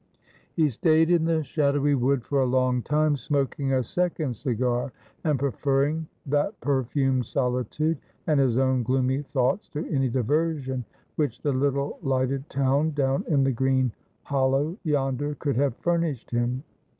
He stayed in the shadowy wood for a long time, smoking a second cigar, and preferring that perfumed solitude, and his own gloomy thoughts to any diversion which the little lighted town down in the green hollow yonder could have furnished him.